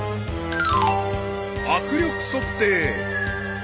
［握力測定］